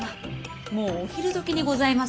もうお昼どきにございますよ。